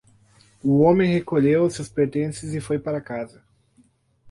O homem recolheu seus pertences e foi para casa.